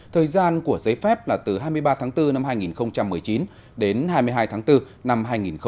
thời gian của giấy phép là từ hai mươi ba tháng bốn năm hai nghìn một mươi chín đến hai mươi hai tháng bốn năm hai nghìn hai mươi